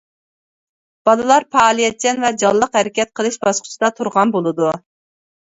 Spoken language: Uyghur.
بالىلار پائالىيەتچان ۋە جانلىق ھەرىكەت قىلىش باسقۇچىدا تۇرغان بولىدۇ.